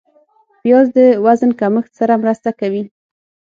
پیاز د وزن کمښت سره مرسته کوي